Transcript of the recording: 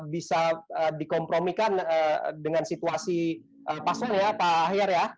bisa dikompromikan dengan situasi paslon ya pak akir ya